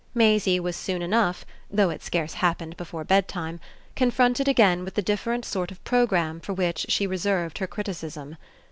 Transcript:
Maisie was soon enough though it scarce happened before bedtime confronted again with the different sort of programme for which she reserved her criticism.